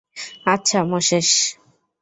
আচ্ছা, মোসেস।